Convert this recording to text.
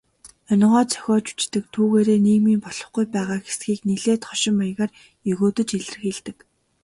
Онигоо зохиож бичдэг, түүгээрээ нийгмийн болохгүй байгаа хэсгийг нэлээн хошин маягаар егөөдөж илэрхийлдэг.